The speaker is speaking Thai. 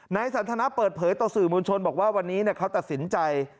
สันทนาเปิดเผยต่อสื่อมวลชนบอกว่าวันนี้เขาตัดสินใจ